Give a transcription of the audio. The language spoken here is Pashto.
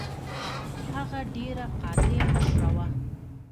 هغه ډیره قاطع مشره وه.